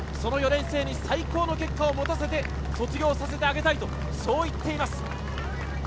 ４年生に最高の結果をもたせて卒業させてあげたいとそう言っています。